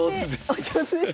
お上手です。